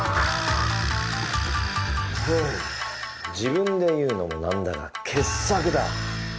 フゥ自分で言うのも何だが傑作だ。